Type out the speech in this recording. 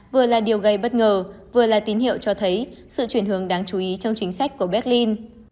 vừa là điều gây bất ngờ vừa là tín hiệu cho thấy sự chuyển hướng đáng chú ý trong chính sách của berlin